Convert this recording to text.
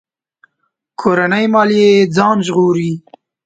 کورنۍ ماليې ځان ژغوري.